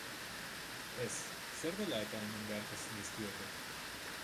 Ez, zer dela-eta eman beharko nizkioke?